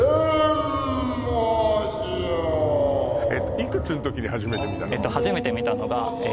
いくつの時に初めて見たの？